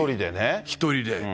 １人で。